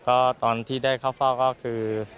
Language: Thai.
ก็ตอนที่ได้เข้าเฝ้าก็คือ